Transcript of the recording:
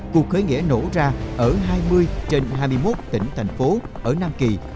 cuộc khởi nghĩa nổ ra ở hai mươi trên hai mươi một tỉnh thành phố ở nam kỳ